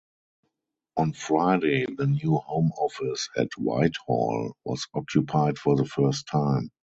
On Friday the new Home Office at Whitehall was occupied for the first time.